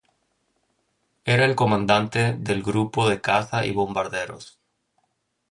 Era el comandante del Grupo de Caza y Bombarderos.